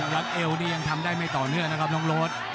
รัดเอวนี่ยังทำได้ไม่ต่อเนื่องนะครับน้องโรด